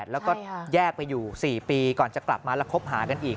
แล้วก็แยกไปอยู่๔ปีก่อนจะกลับมาแล้วคบหากันอีก